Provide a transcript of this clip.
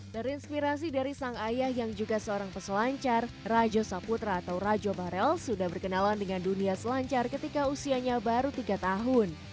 terinspirasi dari sang ayah yang juga seorang peselancar rajo saputra atau rajo barel sudah berkenalan dengan dunia selancar ketika usianya baru tiga tahun